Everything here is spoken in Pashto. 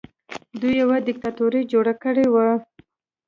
دوی یوه دیکتاتوري جوړه کړې وه